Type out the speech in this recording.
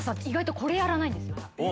意外とこれやらないんですよ。